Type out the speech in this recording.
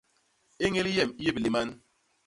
Éñél yem i yé biléman.